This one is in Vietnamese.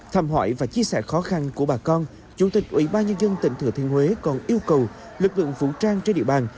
thăm hỏi và chia sẻ khó khăn của bà con chủ tịch ủy ban nhân dân tỉnh thừa thiên huế còn yêu cầu lực lượng vũ trang trên địa bàn